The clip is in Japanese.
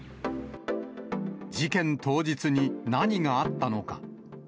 事件当日に何があったのか。